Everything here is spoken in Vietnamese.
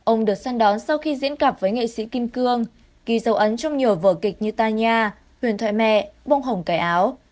ông được săn đón sau khi diễn cặp với nghệ sĩ kim cương ghi dấu ấn trong nhiều vở kịch như ta nha huyền thoại mẹ bông hồng cài áo